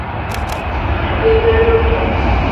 Ĉu ne bela loko?